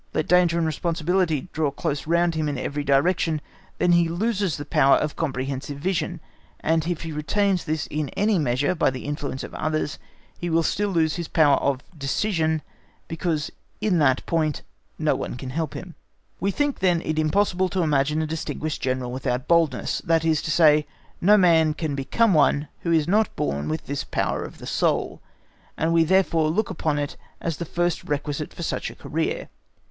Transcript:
Let danger and responsibility draw close round him in every direction, then he loses the power of comprehensive vision, and if he retains this in any measure by the influence of others, still he will lose his power of decision, because in that point no one can help him. We think then that it is impossible to imagine a distinguished General without boldness, that is to say, that no man can become one who is not born with this power of the soul, and we therefore look upon it as the first requisite for such a career.